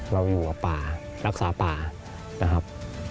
เราอยู่กับป่ารักษาป่านะครับ